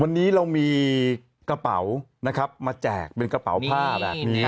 วันนี้เรามีกระเป๋านะครับมาแจกเป็นกระเป๋าผ้าแบบนี้